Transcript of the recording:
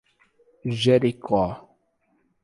Jericó